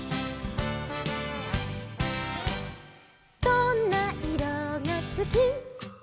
「どんないろがすき」「」